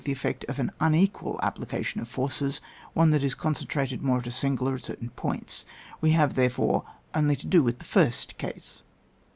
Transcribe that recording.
the effect of an tfnequal application of forces, one that is concentrated more at a single or at certain points ; we have, therefore, only to do with the first case.